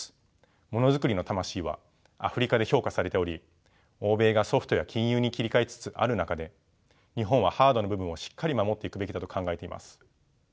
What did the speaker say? ものづくりの魂はアフリカで評価されており欧米がソフトや金融に切り替えつつある中で日本はハードの部分をしっかり守っていくべきだと考えています。